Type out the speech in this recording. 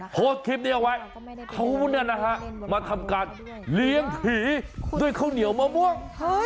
โพสต์คลิปนี้เอาไว้เขามาทำการเลี้ยงผีด้วยข้าวเหนียวมะม่วง